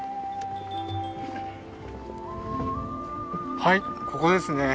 はいここですね。